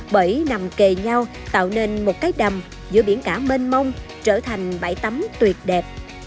bởi nằm kề nhau tạo nên một cái đầm giữa biển cả mênh mông trở thành bãi tắm tuyệt đẹp